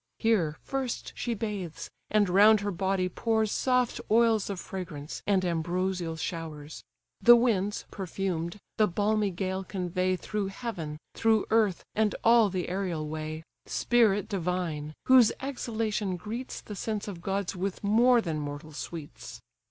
Here first she bathes; and round her body pours Soft oils of fragrance, and ambrosial showers: The winds, perfumed, the balmy gale convey Through heaven, through earth, and all the aerial way: Spirit divine! whose exhalation greets The sense of gods with more than mortal sweets.